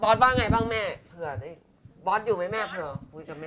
ว่าไงบ้างแม่เผื่อได้บอสอยู่ไหมแม่เผื่อคุยกับแม่